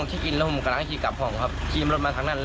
ปูผมกำลังขีกกลับพ้องครับขีมรถมาทางนั้น